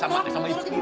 nurut sama ibu